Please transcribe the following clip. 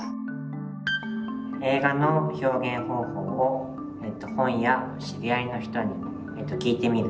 映画の表現方法を本や知り合いの人に聞いてみる。